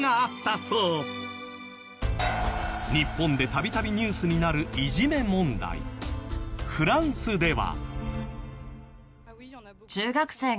日本で度々ニュースになるフランスでは。